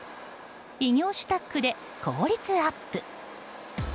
異業種タッグで効率アップ！